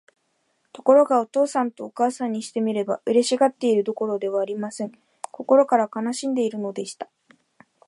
ところが、お父さんとお母さんにしてみれば、嬉しがっているどころではありません。心から悲しんでいるのでした。